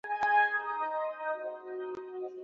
拉氏泪刺毛蟹为扇蟹科泪刺毛蟹属的动物。